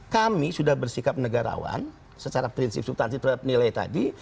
kami sudah bersikap negarawan secara prinsip prinsip penilai tadi